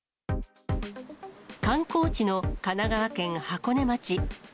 観光地の神奈川県箱根町。